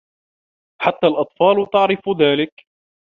حتى الأطفال تعرف ذلك.